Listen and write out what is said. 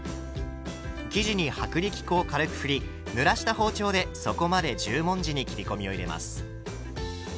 生地に薄力粉を軽くふりぬらした包丁で底まで十文字に切り込みを入れます。